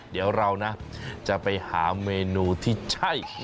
เดี๋ยวเรานะจะไปหาเมนูที่ใช่